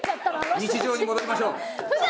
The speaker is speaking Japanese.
日常に戻りましょう。